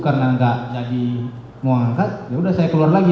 karena gak jadi mau mengangkat ya udah saya keluar lagi